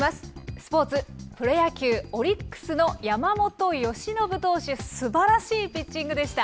スポーツ、プロ野球・オリックスの山本由伸投手、すばらしいピッチングでした。